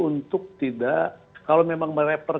untuk tidak kalau memang merapper